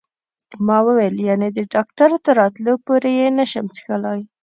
ما وویل: یعنې د ډاکټر تر راتلو پورې یې نه شم څښلای؟